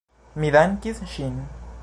Mi dankis ŝin.